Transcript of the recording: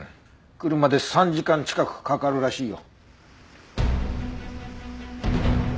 車で３時間近くかかるらしいよ。